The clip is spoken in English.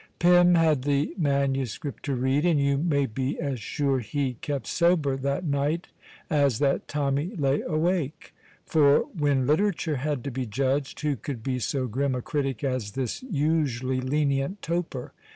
Pym had the manuscript to read, and you may be as sure he kept sober that night as that Tommy lay awake. For when literature had to be judged, who could be so grim a critic as this usually lenient toper?